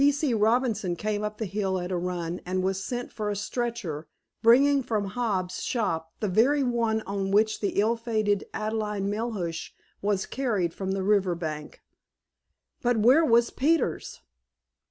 P. C. Robinson came up the hill at a run, and was sent for a stretcher, bringing from Hobbs's shop the very one on which the ill fated Adelaide Melhuish was carried from the river bank. But where was Peters?